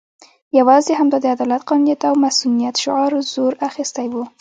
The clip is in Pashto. یوازې همدا د عدالت، قانونیت او مصونیت شعار زور اخستی وو.